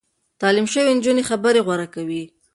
تعليم شوې نجونې خبرې غوره کوي.